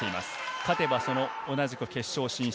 勝てば同じく決勝進出。